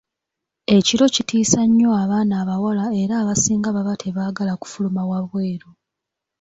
Ekiro kitiisa nnyo abaana abawala era abasinga baba tebaagala kufuluma wabweru.